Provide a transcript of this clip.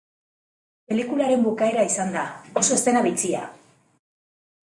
Pelikularen bukaera izan da, oso eszena bitxia.